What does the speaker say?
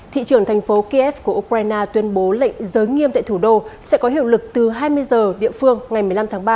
thị trưởng thành phố kiev của ukraine tuyên bố lệnh giới nghiêm tại thủ đô sẽ có hiệu lực từ hai mươi giờ địa phương ngày một mươi năm tháng ba